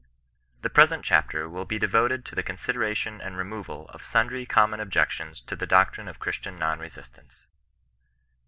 The present chapter will be deToted to the consideration and removal of sundry common objections to the doc trine of Christian non resistance.